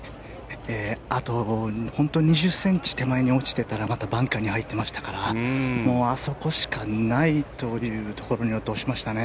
あと２０ｃｍ手前に落ちてたらまたバンカーに入ってましたからあそこしかないというところに落としましたね。